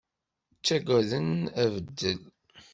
Ttagaden abeddel.